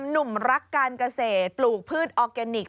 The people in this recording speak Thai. หนุ่มรักการเกษตรปลูกพืชออร์แกนิค